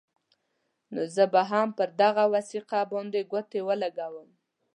نو زه به هم پر دغه وثیقه باندې ګوتې ولګوم.